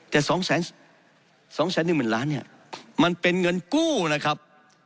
แต่๒๑๐๐๐ล้านเนี่ยมันเป็นเงินกู้นะครับ